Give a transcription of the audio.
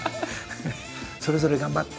「それぞれ頑張って」って。